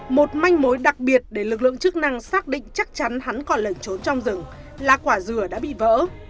một manh mối đặc biệt để lực lượng chức năng xác định chắc chắn hắn còn lẩn trốn trong rừng là quả dừa đã bị vỡ